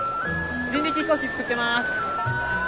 人力飛行機作ってます。